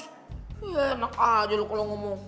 ya enak aja lu kalau ngomong